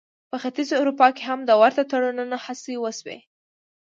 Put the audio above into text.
په ختیځې اروپا کې هم د ورته تړونونو هڅې وشوې.